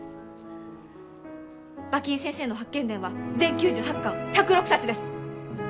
馬琴先生の「八犬伝」は全９８巻１０６冊です。